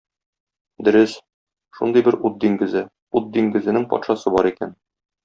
Дөрес, шундый бер ут диңгезе, ут диңгезенең патшасы бар икән.